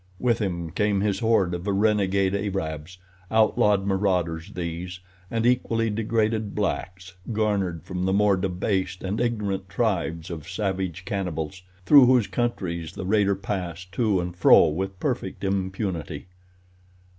With him came his horde of renegade Arabs, outlawed marauders, these, and equally degraded blacks, garnered from the more debased and ignorant tribes of savage cannibals through whose countries the raider passed to and fro with perfect impunity.